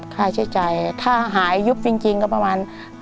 ข้าจะจ่ายถ้าหายยุคจริงก็ประมาณ๕๐๐๐๐